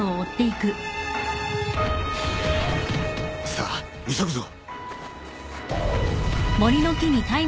・さあ急ぐぞ。